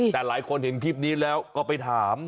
แต่หลายคนเห็นคลิปนี้แล้วก็ไปถาม